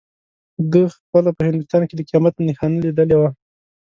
ده خپله په هندوستان کې د قیامت نښانه لیدلې وه.